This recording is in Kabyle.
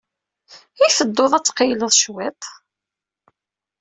I tedduḍ ad tqeyyleḍ cwiṭ?